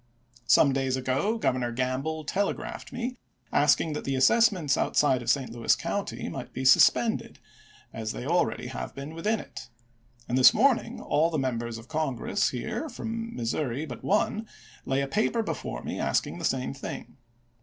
Some days ago Governor Gamble telegraphed me, asking that the as sessments outside of St. Louis County might be sus pended, as they already have been within it; and this morning all the Members of Congress here from Missouri but one, lay a paper before me asking the same thing.